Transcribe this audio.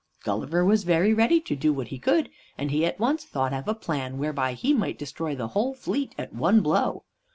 Gulliver was very ready to do what he could, and he at once thought of a plan whereby he might destroy the whole fleet at one blow.